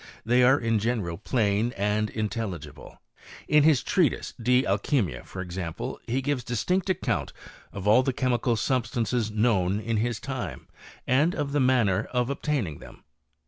They are in general plain aiit intelligible. In his treatise De Alchymia, for exampki he gives a distinct account of all the chemical sob* stances known in his time, and of the manner o( obtaining them.